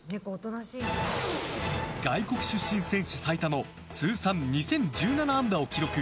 外国出身選手最多の通算２０１７安打を記録。